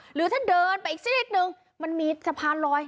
หรือถ้าเดินไปอีกสักนิดนึงมันมีสะพานลอย